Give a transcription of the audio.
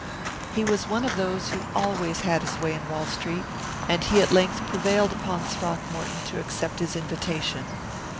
He was one of those who always had his way in Wall Street, and he at length prevailed upon Throckmorton to accept his invitation.